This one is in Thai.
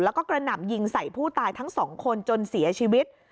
แล้วก็กระหน่ำยิงใส่ผู้ตายทั้งสองคนจนเสียชีวิต